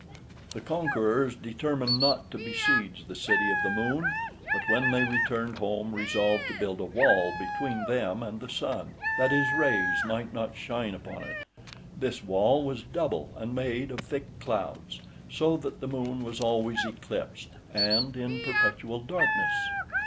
The conquerors determined not to besiege the city of the Moon, but when they returned home, resolved to build a wall between them and the Sun, that his rays might not shine upon it; this wall was double and made of thick clouds, so that the moon was always eclipsed, and in perpetual darkness.